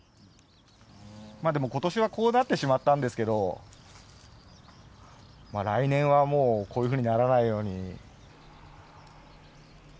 でも、ことしはこうなってしまったんですけど、来年はもう、こういうふうにならないように。